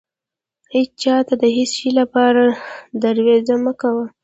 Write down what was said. هيچا ته د هيڅ شې لپاره درويزه مه کوه.